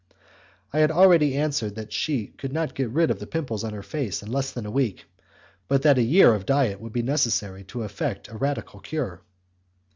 I had already answered that she could not get rid of the pimples on her face in less than a week, but that a year of diet would be necessary to effect a radical cure.